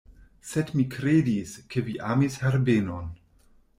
Sed mi kredis, ke vi amis Herbenon.